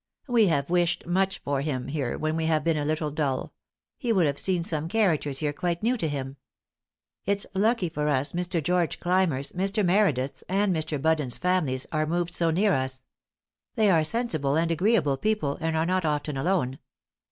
We have wished much for him here when we have been a little dull; he would have seen some characters here quite new to him. It's lucky for us Mr. George Clymer's, Mr. Meredith's, and Mr. Bud den's families are moved so near us. They are sensible and agreeable people, and are not often alone.